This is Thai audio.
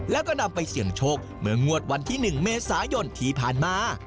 แล้วก็นำไปเสี่ยงโชคเมื่องวดวันที่๑เมษายนที่ผ่านมา